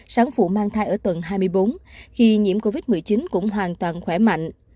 sáng phụ mang thai ở tầng hai mươi bốn khi nhiễm covid một mươi chín cũng hoàn toàn khỏe mạnh